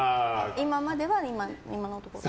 今までは、今のところは。